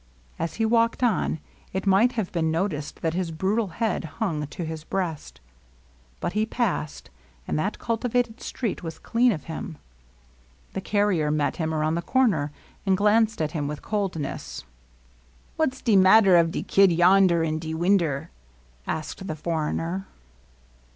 As he walked on, it might have been noticed that his brutal head hung to his breast. But he passed, and that cultivated street was clean of him. The carrier met him around the comer, and glanced at him with coldness. ^^ What 's de matter of de kid yonder, in de win der ?" asked the foreigner.